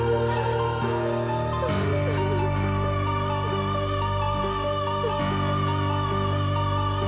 yang cukup sedikit untuk gedachta